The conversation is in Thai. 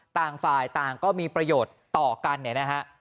ต่างฝ่ายต่างก็มีประโยชน์ต่อกันเนี่ยนะฮะ